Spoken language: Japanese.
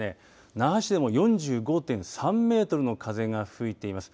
那覇市でも４５．３メートルの風が吹いています。